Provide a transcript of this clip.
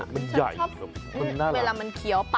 เลยชอบเหมือนมันใหญ่